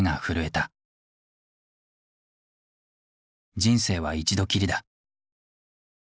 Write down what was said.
人生は一度きりだ。